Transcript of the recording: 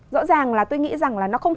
rõ ràng là tôi nghĩ rằng là nó không